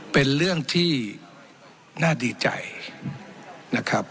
เป็นเรื่องที่น่าดีใจนะครับ